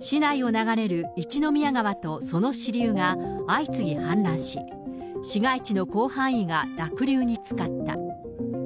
市内を流れる一宮川とその支流が、相次ぎ氾濫し、市街地の広範囲が濁流につかった。